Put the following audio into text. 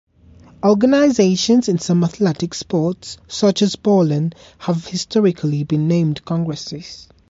Organizations in some athletic sports, such as bowling, have historically been named "congresses".